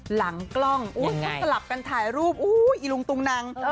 หลังกล้องสลับกันถ่ายรูปอี๋ลุงตุงนัง